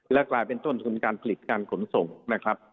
และกลายเป็นต้นทุนการผลิตการขนส่งนะครับ